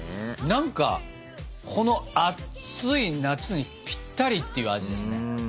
何かこの暑い夏にぴったりっていう味ですね。